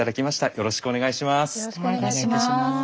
よろしくお願いします。